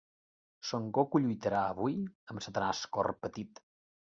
Son Goku lluitarà avui amb Satanàs Cor Petit.